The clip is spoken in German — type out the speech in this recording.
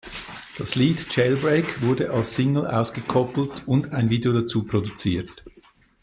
Das Lied "Jailbreak" wurde als Single ausgekoppelt und ein Video dazu produziert.